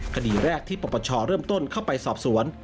คดีแรกที่ปปชเริ่มต้นเข้าไปสอบสวน